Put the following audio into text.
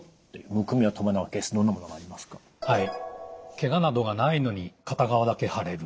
ケガなどがないのに片側だけ腫れる。